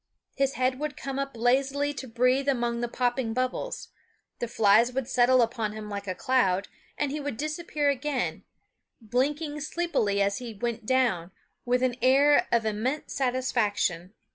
His head would come up lazily to breathe among the popping bubbles; the flies would settle upon him like a cloud, and he would disappear again, blinking sleepily as he went down, with an air of immense satisfaction.